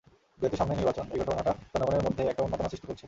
যেহেতু সামনেই নির্বাচন, এই ঘটনাটা জনগনের মধ্যে একটা উন্মাদনার সৃষ্টি করছে।